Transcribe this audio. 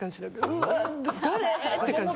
うわ誰って感じ